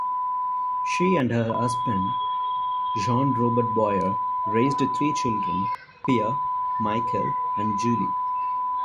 She and her husband, Jean-Robert Boyer, raised three children, Pierre, Michel and Julie.